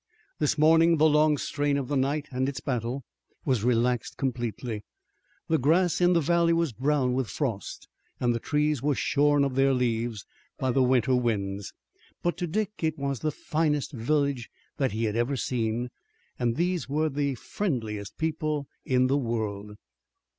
This morning the long strain of the night and its battle was relaxed completely. The grass in the valley was brown with frost, and the trees were shorn of their leaves by the winter winds, but to Dick it was the finest village that he had ever seen, and these were the friendliest people in the world.